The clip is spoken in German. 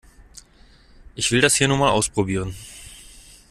Ich will das hier nur mal ausprobieren.